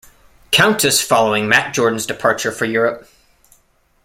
Countess following Matt Jordan's departure for Europe.